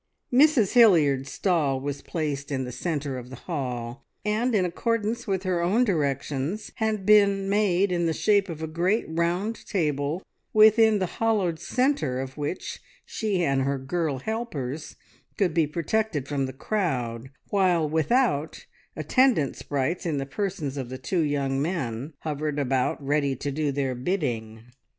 Mrs Hilliard's stall was placed in the centre of the hall, and in accordance with her own directions had been made in the shape of a great round table, within the hollowed centre of which she and her girl helpers could be protected from the crowd, while without attendant sprites in the persons of the two young men hovered about ready to do their bidding.